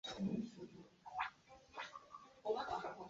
珀斯内克是德国图林根州的一个市镇。